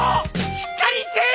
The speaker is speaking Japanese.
しっかりせい！